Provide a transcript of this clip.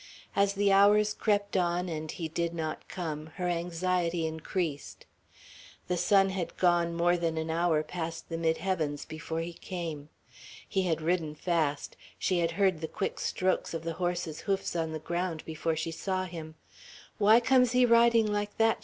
As the hours crept on and he did not come, her anxiety increased. The sun had gone more than an hour past the midheavens before he came. He had ridden fast; she had heard the quick strokes of the horse's hoofs on the ground before she saw him. "Why comes he riding like that?"